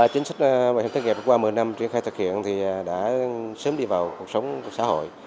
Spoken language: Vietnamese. chính sách bảo hiểm thất nghiệp qua một mươi năm triển khai thực hiện thì đã sớm đi vào cuộc sống của xã hội